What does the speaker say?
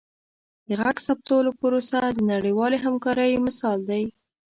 د غږ ثبتولو پروسه د نړیوالې همکارۍ مثال دی.